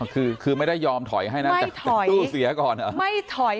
คือคือไม่ได้ยอมถอยให้นะไม่ถอยแต่ตู้เสียก่อนไม่ถอย